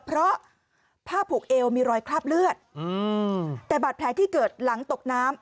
เพราะผ้าผูกเอวมีรอยคราบเลือดแต่บาดแผลที่เกิดหลังตกน้ำ